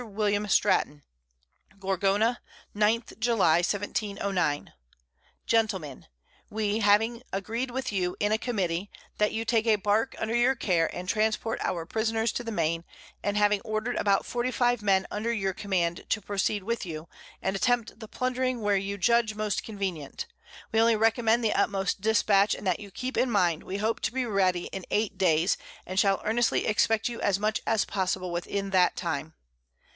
_ Stratton, Gorgona, 9 July, 1709. Gentlemen, [Sidenote: At Gorgona.] _We having agreed with you in a Committee, That you take a Bark under your Care, and transport our Prisoners to the Main, and having order'd about 45 Men under your Command to proceed with you, and attempt the Plundering where you judge convenient: We only recommend the utmost Dispatch, and that you keep in mind, we hope to be ready in 8 Days, and shall earnestly expect you as much as possible within that Time.